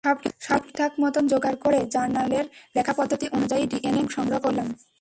সবকিছু ঠিকঠাক মতন জোগাড় করে, জার্নালের লেখা পদ্ধতি অনুযায়ী ডিএনএ সংগ্রহ করলাম।